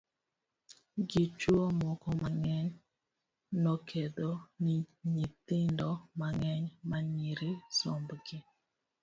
gi chuwo moko mang'eny nokedho ni nyithindo mang'eny manyiri somb gi